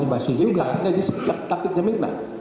ini taktiknya jessica taktiknya mirna